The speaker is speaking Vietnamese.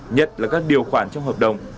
nhật là các điều khoản trong hợp đồng